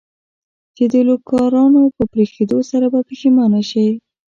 چې د لوکارنو په پرېښودو سره به پښېمانه شې.